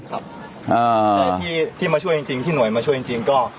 ครับอ่าที่มาช่วยจริงจริงที่หน่วยมาช่วยจริงจริงก็